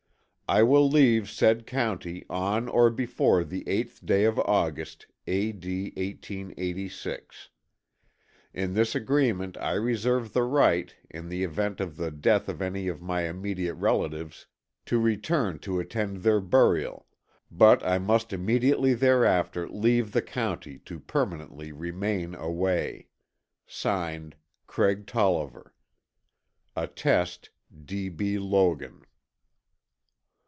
I will leave said county on or before the 8th day of August, A. D. 1886. In this agreement I reserve the right, in the event of the death of any of my immediate relatives, to return to attend their burial, but I must immediately thereafter leave the county to permanently remain away. (Signed) CRAIG TOLLIVER. Attest: D. B. Logan.